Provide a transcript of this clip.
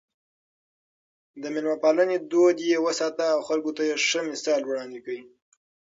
د مېلمه پالنې دود يې وساته او خلکو ته يې ښه مثال وړاندې کړ.